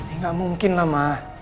ini gak mungkin lah ma